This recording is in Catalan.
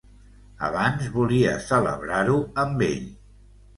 Abans volia celebrar-ho amb ell.